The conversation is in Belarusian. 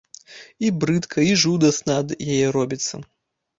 І брыдка і жудасна ад яе робіцца.